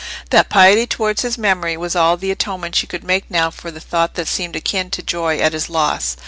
That piety towards his memory was all the atonement she could make now for a thought that seemed akin to joy at his loss.